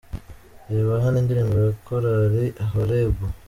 Reba hano indirimbo ya Korali Horebu:.